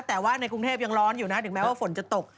แต่ว่าในกรุงเทพยังร้อนอยู่นะถึงแม้ว่าฝนจะตก